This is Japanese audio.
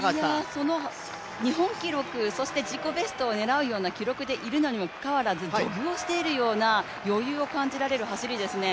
日本記録、自己ベストを狙うような記録でいるにもかかわらずジョグをしているような余裕を感じられる走りですね。